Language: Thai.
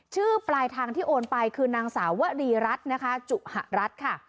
ปลายทางที่โอนไปคือนางสาววรีรัฐนะคะจุหะรัฐค่ะ